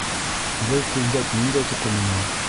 Был күлдәк ниндәй туҡыманан?